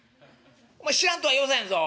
お前知らんとは言わせんぞ。